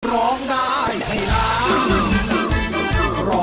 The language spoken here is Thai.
ร้องได้ไข่ล้าง